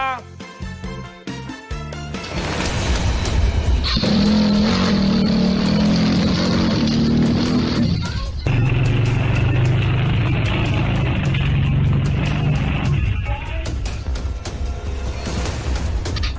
ร้อนมุม